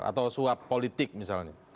atau suap politik misalnya